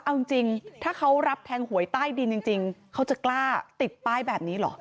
เอาจริงถ้าเขารับแทงหวยใต้ดินจริงเขาจะกล้าติดป้ายแบบนี้เหรอ